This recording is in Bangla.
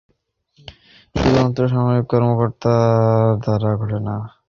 সামরিক অভ্যুত্থান যখন ঘটে, অভ্যুত্থান শুধুমাত্র সামরিক কর্মকর্তাদের দ্বারা ঘটে না।